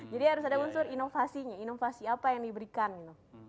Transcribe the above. jadi harus ada unsur inovasinya inovasi apa yang diberikan gitu